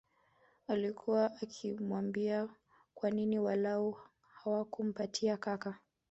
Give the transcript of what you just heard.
Alikua akimwambia kwa nini walau hakumpatia kaka